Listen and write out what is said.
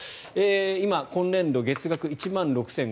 今、今年度月額１万６５９０円。